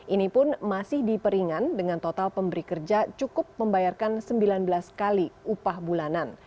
ini pun masih diperingan dengan total pemberi kerja cukup membayarkan sembilan belas kali upah bulanan